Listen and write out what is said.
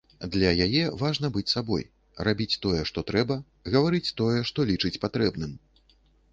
Для яе важна быць сабой, рабіць тое, што трэба, гаварыць тое, што лічыць патрэбным.